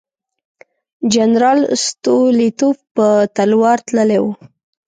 جنرال ستولیتوف په تلوار تللی وو.